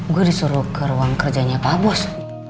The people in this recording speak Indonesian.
gue disuruh ke ruang kerjanya pak bos